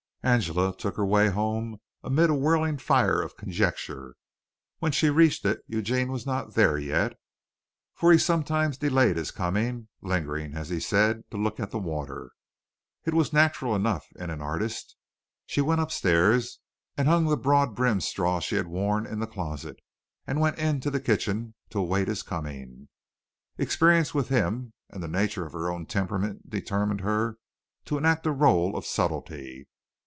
Angela took her way home amid a whirling fire of conjecture. When she reached it Eugene was not there yet, for he sometimes delayed his coming, lingering, as he said, to look at the water. It was natural enough in an artist. She went upstairs and hung the broad brimmed straw she had worn in the closet, and went into the kitchen to await his coming. Experience with him and the nature of her own temperament determined her to enact a rôle of subtlety.